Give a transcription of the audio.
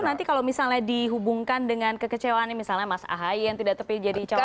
nanti kalau misalnya dihubungkan dengan kekecewaan misalnya mas ahai yang tidak tepi jadi cowok